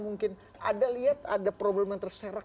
mungkin anda lihat ada problem yang terserak